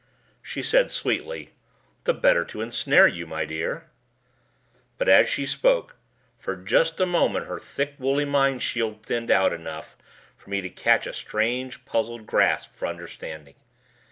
She said, sweetly, "The better to ensnare you, my dear." But as she spoke, for just a moment her thick woolly mind shield thinned out enough for me to catch a strange, puzzled grasp for understanding.